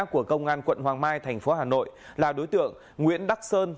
của công an quận hoàng mai thành phố hà nội là đối tượng nguyễn đắc sơn